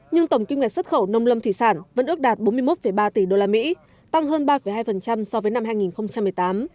nhưng tổng kinh ngạch xuất khẩu nông lâm thủy sản vẫn ước đạt bốn mươi một ba tỷ usd tăng hơn ba hai so với năm hai nghìn một mươi tám